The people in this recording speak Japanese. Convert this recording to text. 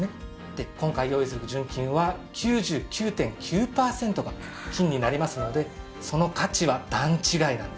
で今回用意する純金は９９．９パーセントが金になりますのでその価値は段違いなんです。